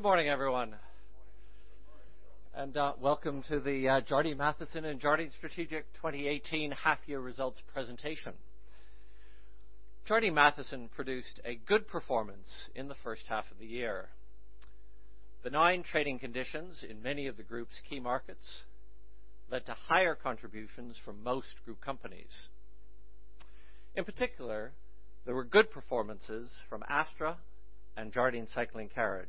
Good morning, everyone. Welcome to the Jardine Matheson and Jardine Strategic 2018 half-year results presentation. Jardine Matheson produced a good performance in the first half of the year. Benign trading conditions in many of the group's key markets led to higher contributions from most group companies. In particular, there were good performances from Astra and Jardine Cycle & Carriage.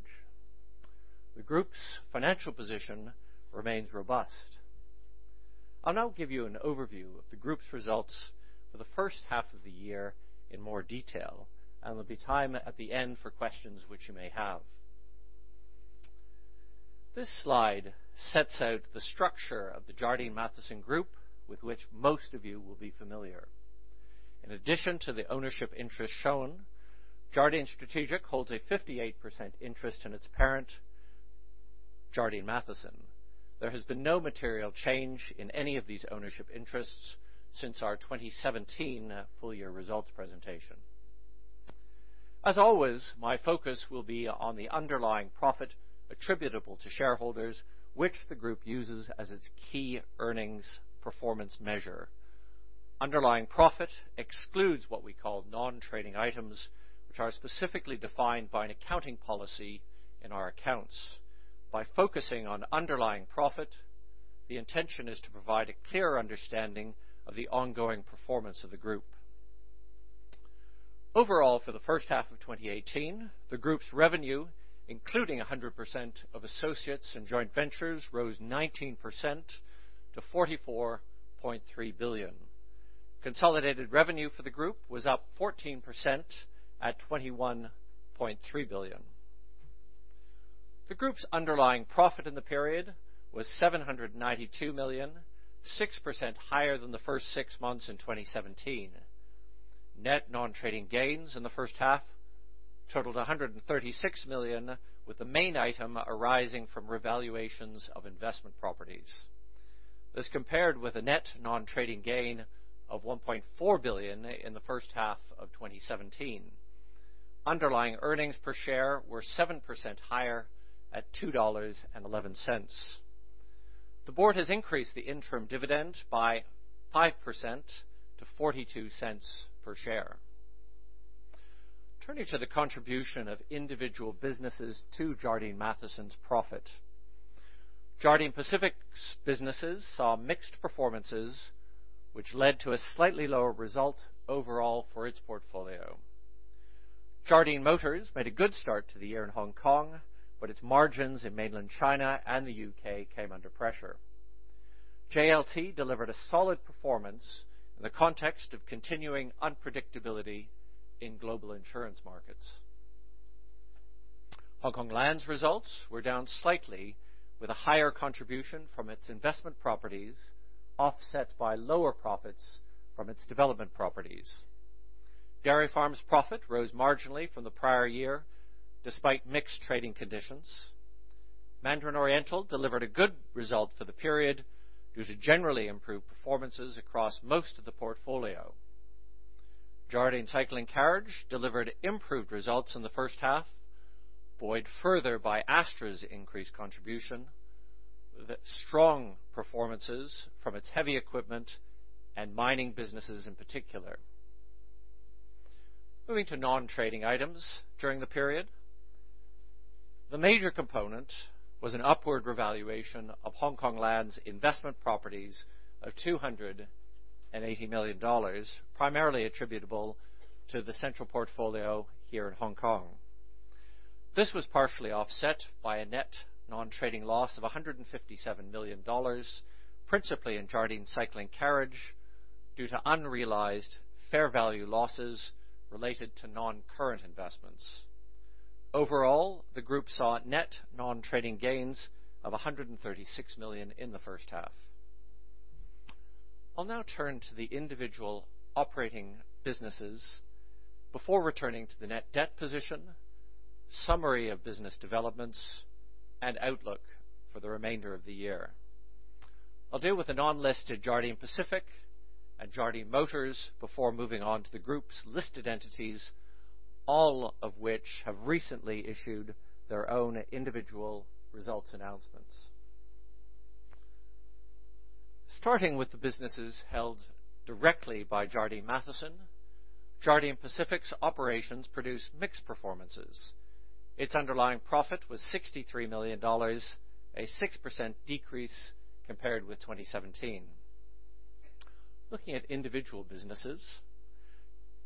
The group's financial position remains robust. I'll now give you an overview of the group's results for the first half of the year in more detail, and there will be time at the end for questions which you may have. This slide sets out the structure of the Jardine Matheson group with which most of you will be familiar. In addition to the ownership interest shown, Jardine Strategic holds a 58% interest in its parent, Jardine Matheson. There has been no material change in any of these ownership interests since our 2017 full-year results presentation. As always, my focus will be on the underlying profit attributable to shareholders, which the group uses as its key earnings performance measure. Underlying profit excludes what we call non-trading items, which are specifically defined by an accounting policy in our accounts. By focusing on underlying profit, the intention is to provide a clearer understanding of the ongoing performance of the group. Overall, for the first half of 2018, the group's revenue, including 100% of associates and joint ventures, rose 19% to HKD 44.3 billion. Consolidated revenue for the group was up 14% at HKD 21.3 billion. The group's underlying profit in the period was 792 million, 6% higher than the first six months in 2017. Net non-trading gains in the first half totaled 136 million, with the main item arising from revaluations of investment properties. This compared with a net non-trading gain of 1.4 billion in the first half of 2017. Underlying earnings per share were 7% higher at 2.11 dollars. The board has increased the interim dividend by 5% to 0.42 per share. Turning to the contribution of individual businesses to Jardine Matheson's profit, Jardine Pacific's businesses saw mixed performances, which led to a slightly lower result overall for its portfolio. Jardine Motors made a good start to the year in Hong Kong, but its margins in mainland China and the U.K. came under pressure. JLT delivered a solid performance in the context of continuing unpredictability in global insurance markets. Hong Kong Land's results were down slightly, with a higher contribution from its investment properties, offset by lower profits from its development properties. Dairy Farm's profit rose marginally from the prior year despite mixed trading conditions. Mandarin Oriental delivered a good result for the period due to generally improved performances across most of the portfolio. Jardine Cycle & Carriage delivered improved results in the first half, buoyed further by Astra's increased contribution with strong performances from its heavy equipment and mining businesses in particular. Moving to non-trading items during the period, the major component was an upward revaluation of Hong Kong Land's investment properties of 280 million dollars, primarily attributable to the central portfolio here in Hong Kong. This was partially offset by a net non-trading loss of 157 million dollars, principally in Jardine Cycle & Carriage due to unrealized fair value losses related to non-current investments. Overall, the group saw net non-trading gains of 136 million in the first half. I'll now turn to the individual operating businesses before returning to the net debt position, summary of business developments, and outlook for the remainder of the year. I'll deal with the non-listed Jardine Pacific and Jardine Motors before moving on to the group's listed entities, all of which have recently issued their own individual results announcements. Starting with the businesses held directly by Jardine Matheson, Jardine Pacific's operations produced mixed performances. Its underlying profit was 63 million dollars, a 6% decrease compared with 2017. Looking at individual businesses,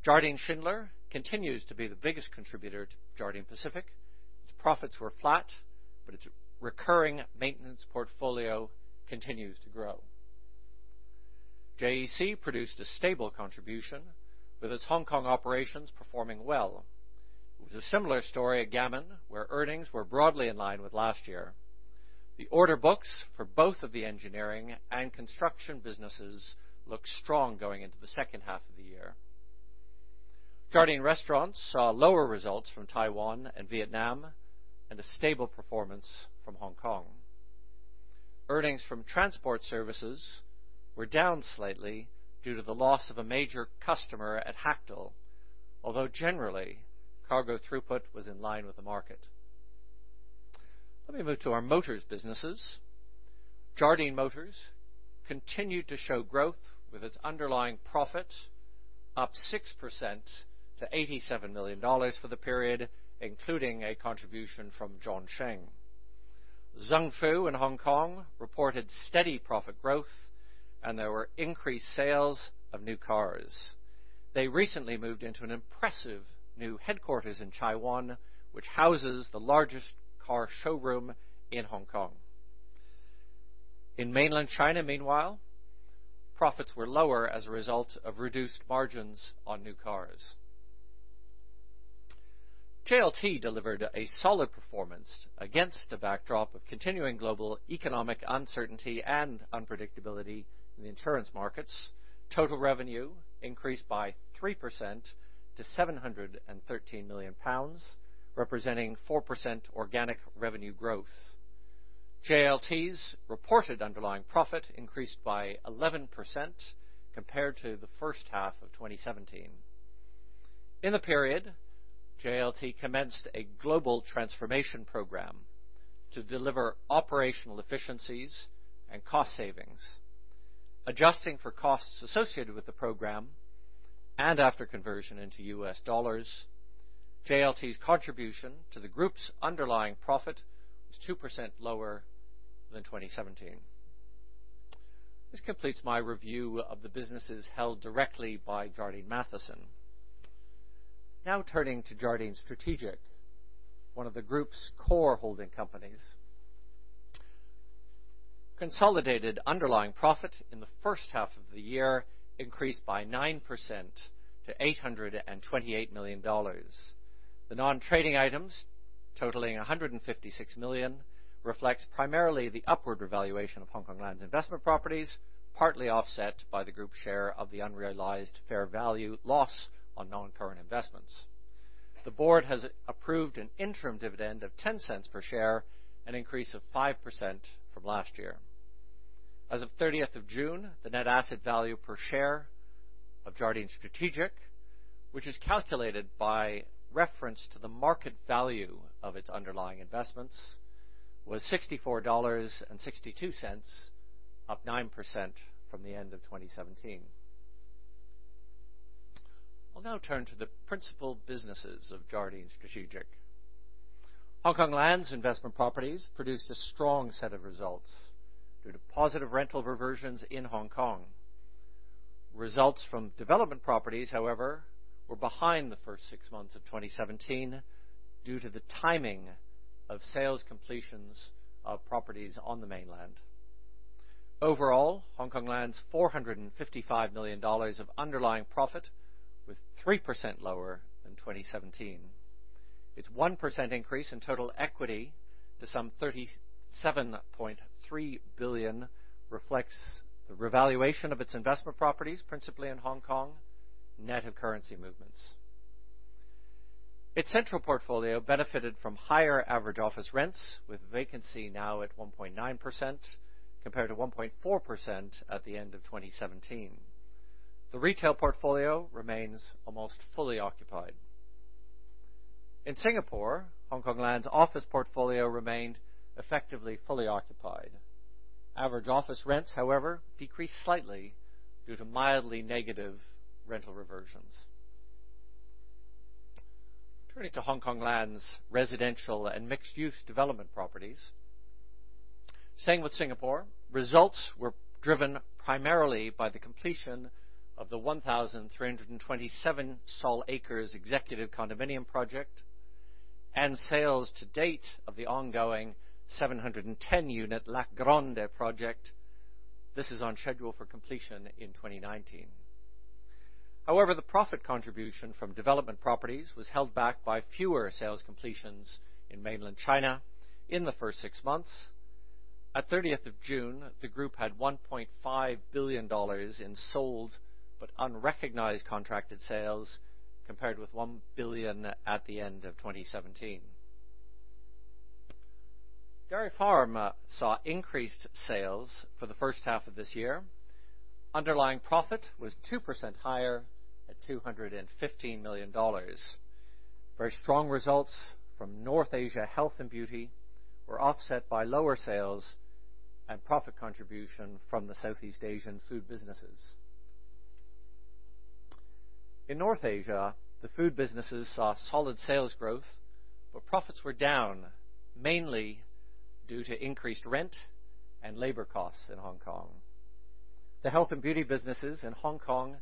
Jardine Schindler continues to be the biggest contributor to Jardine Pacific. Its profits were flat, but its recurring maintenance portfolio continues to grow. JEC produced a stable contribution, with its Hong Kong operations performing well. It was a similar story at Gammon, where earnings were broadly in line with last year. The order books for both of the engineering and construction businesses look strong going into the second half of the year. Jardine Restaurants saw lower results from Taiwan and Vietnam, and a stable performance from Hong Kong. Earnings from transport services were down slightly due to the loss of a major customer at Hactl, although generally, cargo throughput was in line with the market. Let me move to our motors businesses. Jardine Motors continued to show growth with its underlying profit, up 6% to 87 million dollars for the period, including a contribution from Zhongsheng. Zhengfu in Hong Kong reported steady profit growth, and there were increased sales of new cars. They recently moved into an impressive new headquarters in Taiwan, which houses the largest car showroom in Hong Kong. In mainland China, meanwhile, profits were lower as a result of reduced margins on new cars. JLT delivered a solid performance against a backdrop of continuing global economic uncertainty and unpredictability in the insurance markets. Total revenue increased by 3% to 713 million pounds, representing 4% organic revenue growth. JLT's reported underlying profit increased by 11% compared to the first half of 2017. In the period, JLT commenced a global transformation program to deliver operational efficiencies and cost savings. Adjusting for costs associated with the program and after conversion into US dollars, JLT's contribution to the group's underlying profit was 2% lower than 2017. This completes my review of the businesses held directly by Jardine Matheson. Now turning to Jardine Strategic, one of the group's core holding companies. Consolidated underlying profit in the first half of the year increased by 9% to 828 million dollars. The non-trading items, totaling 156 million, reflects primarily the upward revaluation of Hong Kong Land's investment properties, partly offset by the group's share of the unrealized fair value loss on non-current investments. The board has approved an interim dividend of 0.10 per share, an increase of 5% from last year. As of 30th of June, the net asset value per share of Jardine Strategic, which is calculated by reference to the market value of its underlying investments, was 64.62 dollars, up 9% from the end of 2017. I'll now turn to the principal businesses of Jardine Strategic. Hong Kong Land's investment properties produced a strong set of results due to positive rental reversions in Hong Kong. Results from development properties, however, were behind the first six months of 2017 due to the timing of sales completions of properties on the mainland. Overall, Hong Kong Land's 455 million dollars of underlying profit was 3% lower than 2017. Its 1% increase in total equity to some 37.3 billion reflects the revaluation of its investment properties, principally in Hong Kong, net of currency movements. Its central portfolio benefited from higher average office rents, with vacancy now at 1.9% compared to 1.4% at the end of 2017. The retail portfolio remains almost fully occupied. In Singapore, Hong Kong Land's office portfolio remained effectively fully occupied. Average office rents, however, decreased slightly due to mildly negative rental reversions. Turning to Hong Kong Land's residential and mixed-use development properties. Staying with Singapore, results were driven primarily by the completion of the 1,327 acres executive condominium project and sales to date of the ongoing 710-unit La Grande project. This is on schedule for completion in 2019. However, the profit contribution from development properties was held back by fewer sales completions in mainland China in the first six months. At 30th of June, the group had 1.5 billion dollars in sold but unrecognized contracted sales compared with 1 billion at the end of 2017. Dairy Farm saw increased sales for the first half of this year. Underlying profit was 2% higher at 215 million dollars. Very strong results from North Asia Health and Beauty were offset by lower sales and profit contribution from the Southeast Asian food businesses. In North Asia, the food businesses saw solid sales growth, but profits were down mainly due to increased rent and labor costs in Hong Kong. The health and beauty businesses in Hong Kong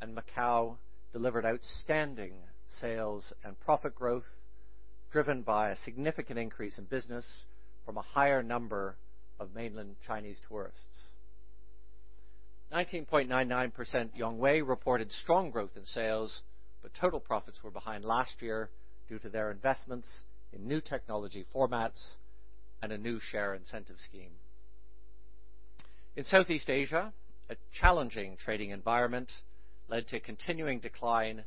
and Macau delivered outstanding sales and profit growth driven by a significant increase in business from a higher number of mainland Chinese tourists. 19.99% Yong Wei reported strong growth in sales, but total profits were behind last year due to their investments in new technology formats and a new share incentive scheme. In Southeast Asia, a challenging trading environment led to continuing decline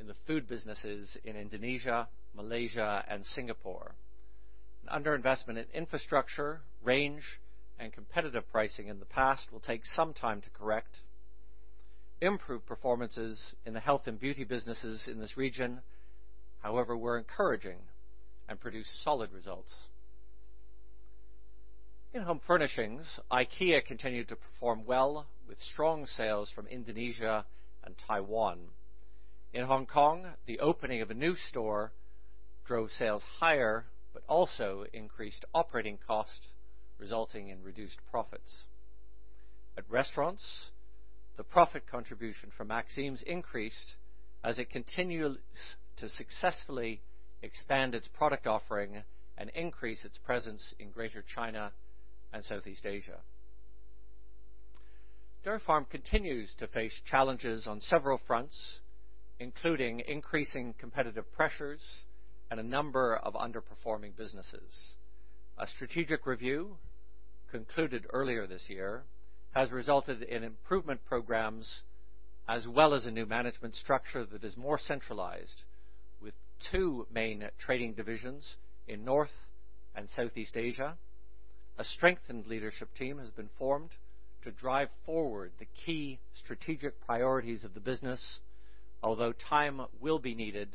in the food businesses in Indonesia, Malaysia, and Singapore. Underinvestment in infrastructure, range, and competitive pricing in the past will take some time to correct. Improved performances in the health and beauty businesses in this region, however, were encouraging and produced solid results. In home furnishings, IKEA continued to perform well with strong sales from Indonesia and Taiwan. In Hong Kong, the opening of a new store drove sales higher but also increased operating costs, resulting in reduced profits. At restaurants, the profit contribution from Maxim's increased as it continues to successfully expand its product offering and increase its presence in Greater China and Southeast Asia. Dairy Farm continues to face challenges on several fronts, including increasing competitive pressures and a number of underperforming businesses. A strategic review concluded earlier this year has resulted in improvement programs as well as a new management structure that is more centralized, with two main trading divisions in North and Southeast Asia. A strengthened leadership team has been formed to drive forward the key strategic priorities of the business, although time will be needed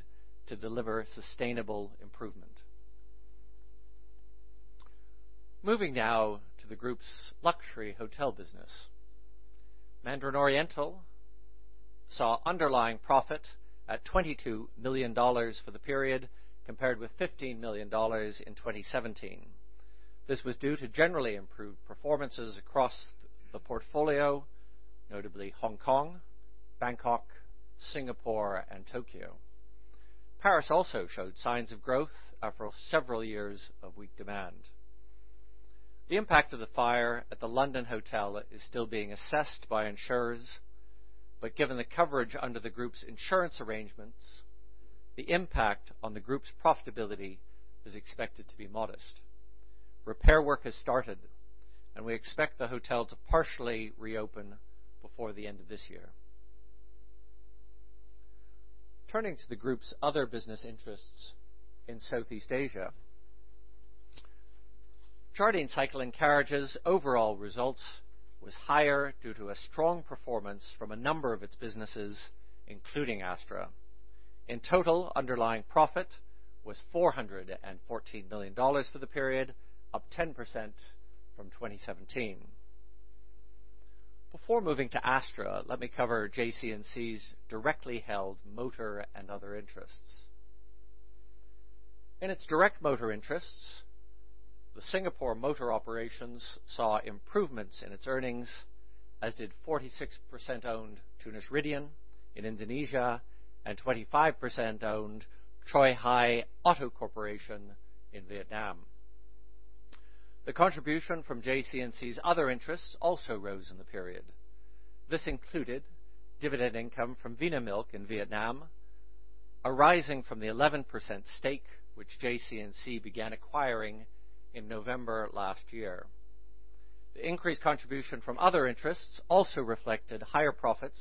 to deliver sustainable improvement. Moving now to the group's luxury hotel business. Mandarin Oriental saw underlying profit at 22 million dollars for the period compared with 15 million dollars in 2017. This was due to generally improved performances across the portfolio, notably Hong Kong, Bangkok, Singapore, and Tokyo. Paris also showed signs of growth after several years of weak demand. The impact of the fire at the London hotel is still being assessed by insurers, but given the coverage under the group's insurance arrangements, the impact on the group's profitability is expected to be modest. Repair work has started, and we expect the hotel to partially reopen before the end of this year. Turning to the group's other business interests in Southeast Asia. Jardine Cycle & Carriage's overall result was higher due to a strong performance from a number of its businesses, including Astra. In total, underlying profit was 414 million dollars for the period, up 10% from 2017. Before moving to Astra, let me cover JC&C's directly held motor and other interests. In its direct motor interests, the Singapore motor operations saw improvements in its earnings, as did 46% owned Tunas Ridean in Indonesia and 25% owned Truong Hai Auto Corporation in Vietnam. The contribution from Jardine Cycle & Carriage's other interests also rose in the period. This included dividend income from Vinamilk in Vietnam, arising from the 11% stake which Jardine Cycle & Carriage began acquiring in November last year. The increased contribution from other interests also reflected higher profits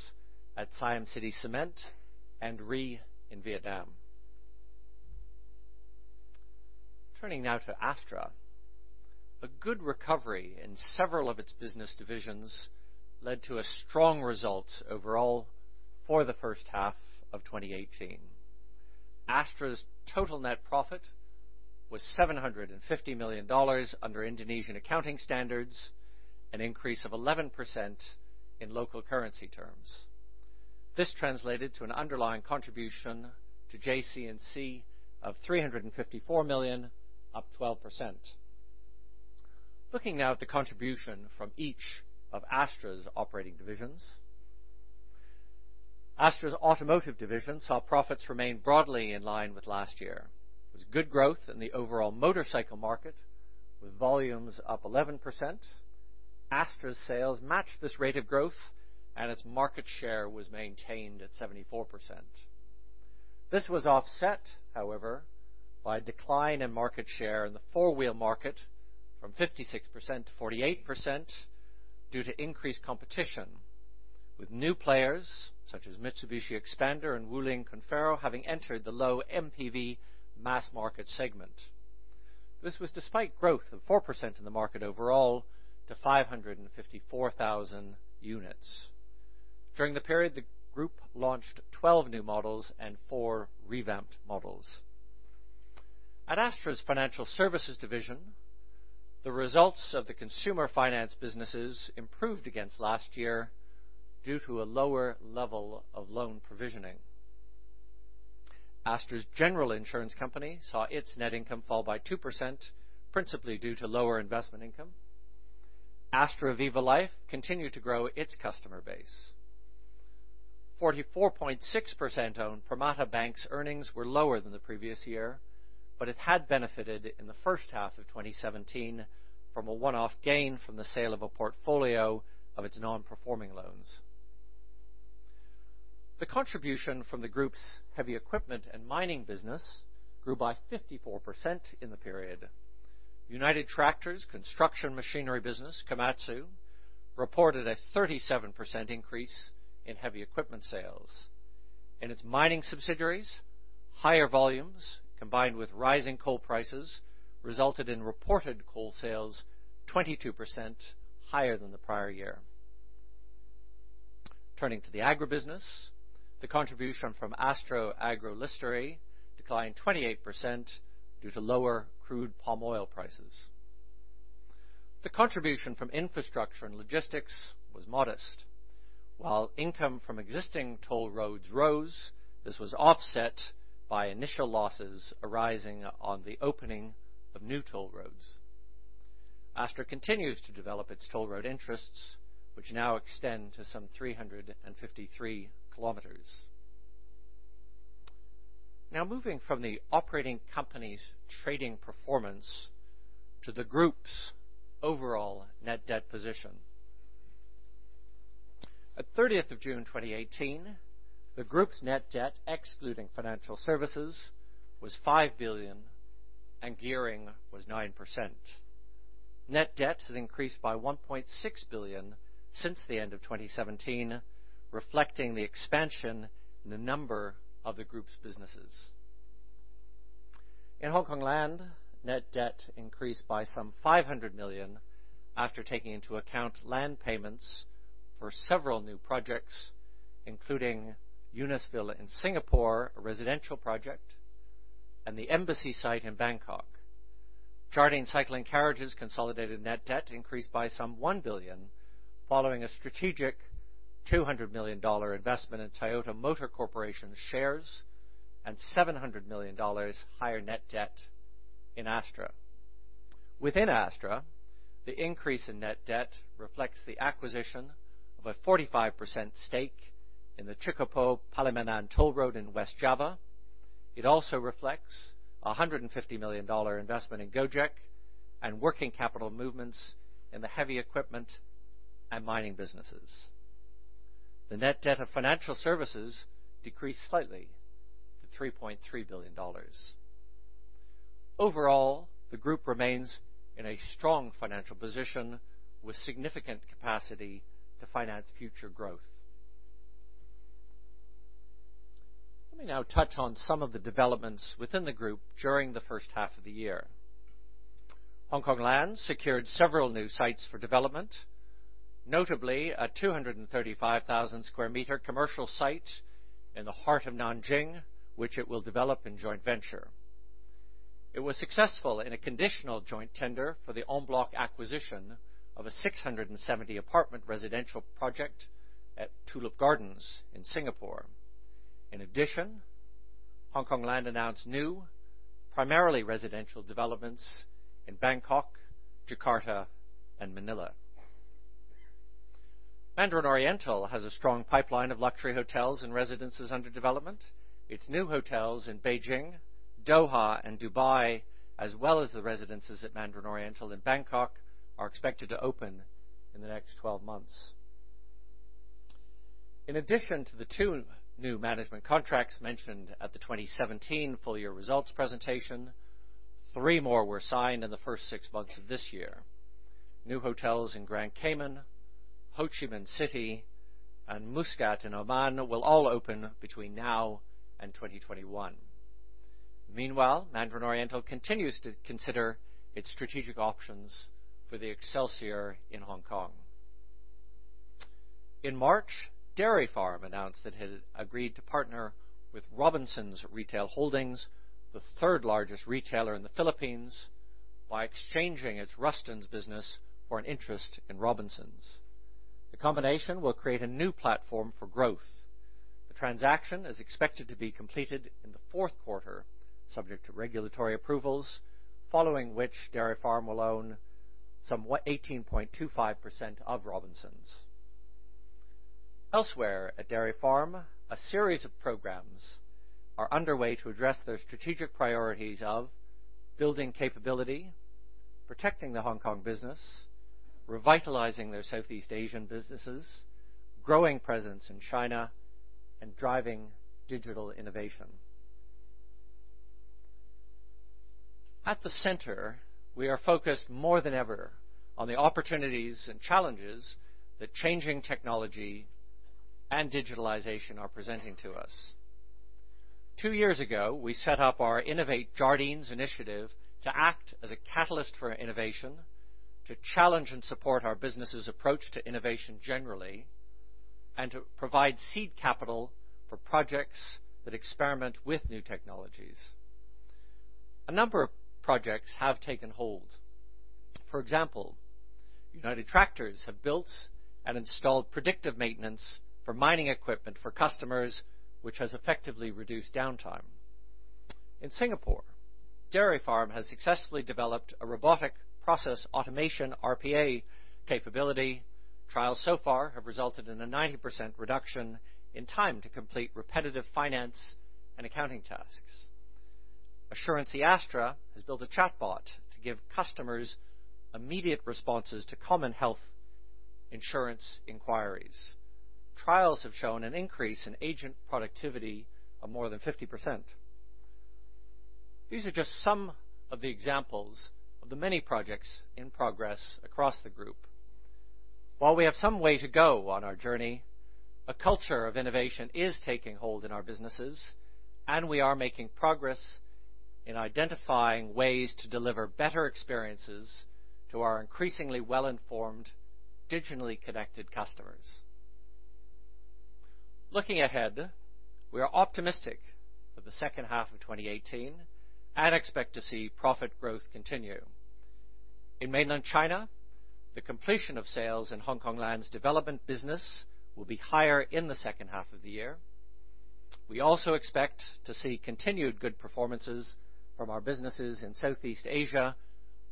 at Siam City Cement and REE in Vietnam. Turning now to Astra. A good recovery in several of its business divisions led to a strong result overall for the first half of 2018. Astra's total net profit was 750 million dollars under Indonesian accounting standards, an increase of 11% in local currency terms. This translated to an underlying contribution to Jardine Cycle & Carriage of 354 million, up 12%. Looking now at the contribution from each of Astra's operating divisions. Astra's automotive division saw profits remain broadly in line with last year. There was good growth in the overall motorcycle market, with volumes up 11%. Astra's sales matched this rate of growth, and its market share was maintained at 74%. This was offset, however, by a decline in market share in the four-wheel market from 56% to 48% due to increased competition, with new players such as Mitsubishi Xpander and Wuling Confero having entered the low MPV mass market segment. This was despite growth of 4% in the market overall to 554,000 units. During the period, the group launched 12 new models and 4 revamped models. At Astra's financial services division, the results of the consumer finance businesses improved against last year due to a lower level of loan provisioning. Astra's general insurance company saw its net income fall by 2%, principally due to lower investment income. Astra Viva Life continued to grow its customer base. 44.6% owned Permata Bank's earnings were lower than the previous year, but it had benefited in the first half of 2017 from a one-off gain from the sale of a portfolio of its non-performing loans. The contribution from the group's heavy equipment and mining business grew by 54% in the period. United Tractors' construction machinery business, Komatsu, reported a 37% increase in heavy equipment sales. In its mining subsidiaries, higher volumes combined with rising coal prices resulted in reported coal sales 22% higher than the prior year. Turning to the agribusiness, the contribution from Astra Agro Lestari declined 28% due to lower crude palm oil prices. The contribution from infrastructure and logistics was modest. While income from existing toll roads rose, this was offset by initial losses arising on the opening of new toll roads. Astra continues to develop its toll road interests, which now extend to some 353 km. Now moving from the operating company's trading performance to the group's overall net debt position. At 30th of June 2018, the group's net debt, excluding financial services, was 5 billion, and gearing was 9%. Net debt has increased by 1.6 billion since the end of 2017, reflecting the expansion in the number of the group's businesses. In Hong Kong Land, net debt increased by some 500 million after taking into account land payments for several new projects, including Unisvilla in Singapore, a residential project, and the embassy site in Bangkok. Jardine Cycle & Carriage's consolidated net debt increased by some 1 billion, following a strategic 200 million dollar investment in Toyota Motor Corporation shares and 700 million dollars higher net debt in Astra. Within Astra, the increase in net debt reflects the acquisition of a 45% stake in the Chikkapho Palimanan Toll Road in West Java. It also reflects a 150 million dollar investment in Gojek and working capital movements in the heavy equipment and mining businesses. The net debt of financial services decreased slightly to 3.3 billion dollars. Overall, the group remains in a strong financial position with significant capacity to finance future growth. Let me now touch on some of the developments within the group during the first half of the year. Hong Kong Land secured several new sites for development, notably a 235,000 sq m commercial site in the heart of Nanjing, which it will develop in joint venture. It was successful in a conditional joint tender for the en bloc acquisition of a 670-apartment residential project at Tulip Gardens in Singapore. In addition, Hong Kong Land announced new primarily residential developments in Bangkok, Jakarta, and Manila. Mandarin Oriental has a strong pipeline of luxury hotels and residences under development. Its new hotels in Beijing, Doha, and Dubai, as well as the residences at Mandarin Oriental in Bangkok, are expected to open in the next 12 months. In addition to the two new management contracts mentioned at the 2017 full-year results presentation, three more were signed in the first six months of this year. New hotels in Grand Cayman, Ho Chi Minh City, and Muscat in Oman will all open between now and 2021. Meanwhile, Mandarin Oriental continues to consider its strategic options for the Excelsior in Hong Kong. In March, Dairy Farm announced that it had agreed to partner with Robinsons Retail Holdings, the third largest retailer in the Philippines, by exchanging its Rustan's business for an interest in Robinsons. The combination will create a new platform for growth. The transaction is expected to be completed in the fourth quarter, subject to regulatory approvals, following which Dairy Farm will own some 18.25% of Robinsons. Elsewhere at Dairy Farm, a series of programs are underway to address their strategic priorities of building capability, protecting the Hong Kong business, revitalizing their Southeast Asian businesses, growing presence in China, and driving digital innovation. At the center, we are focused more than ever on the opportunities and challenges that changing technology and digitalization are presenting to us. Two years ago, we set up our Innovate Jardines initiative to act as a catalyst for innovation, to challenge and support our business's approach to innovation generally, and to provide seed capital for projects that experiment with new technologies. A number of projects have taken hold. For example, United Tractors have built and installed predictive maintenance for mining equipment for customers, which has effectively reduced downtime. In Singapore, Dairy Farm has successfully developed a robotic process automation RPA capability. Trials so far have resulted in a 90% reduction in time to complete repetitive finance and accounting tasks. Assurancy Astra has built a chatbot to give customers immediate responses to common health insurance inquiries. Trials have shown an increase in agent productivity of more than 50%. These are just some of the examples of the many projects in progress across the group. While we have some way to go on our journey, a culture of innovation is taking hold in our businesses, and we are making progress in identifying ways to deliver better experiences to our increasingly well-informed, digitally connected customers. Looking ahead, we are optimistic for the second half of 2018 and expect to see profit growth continue. In mainland China, the completion of sales in Hong Kong Land's development business will be higher in the second half of the year. We also expect to see continued good performances from our businesses in Southeast Asia,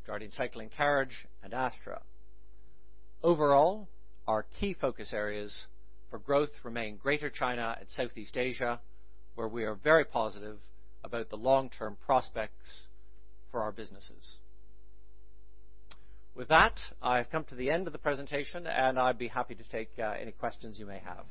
Jardine Cycle & Carriage, and Astra. Overall, our key focus areas for growth remain Greater China and Southeast Asia, where we are very positive about the long-term prospects for our businesses. With that, I have come to the end of the presentation, and I'd be happy to take any questions you may have.